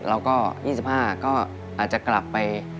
แล้วก็๒๕ก็อาจจะกลับไป